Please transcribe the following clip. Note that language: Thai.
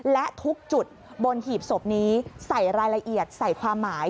และทุกจุดบนหีบศพนี้ใส่รายละเอียดใส่ความหมาย